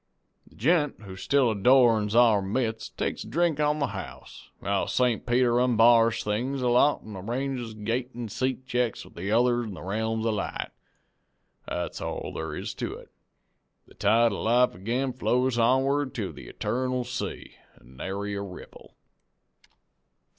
The gent who still adorns our midst takes a drink on the house, while St. Peter onbars things a lot an' arranges gate an' seat checks with the other in the realms of light. That's all thar is to it. The tide of life ag'in flows onward to the eternal sea, an' nary ripple.